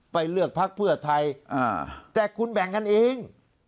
เลือกพักเพื่อไทยแต่คุณแบ่งกันเอง